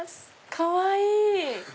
かわいい！